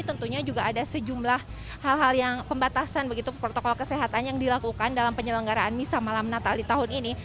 tentunya juga ada sejumlah hal hal yang pembatasan begitu protokol kesehatan yang dilakukan dalam penyelenggaraan misa malam natal di tahun ini